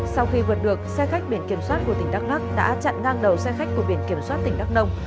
sau khi vượt được xe khách biển kiểm soát của tỉnh đắk lắc đã chặn ngang đầu xe khách của biển kiểm soát tỉnh đắk nông